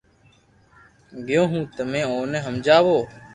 گيو ھون تمي اووني ھمجاوو